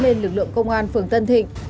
lên lực lượng công an phường tân thị